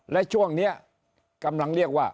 และช่วงนี้กำลังเรียกว่า